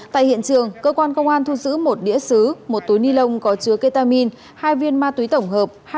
tại hiện trường cơ quan công an thu giữ một đĩa xứ một túi ni lông có chứa ketamin hai viên ma túy tổng hợp